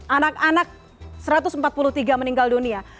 anak anak satu ratus empat puluh tiga meninggal dunia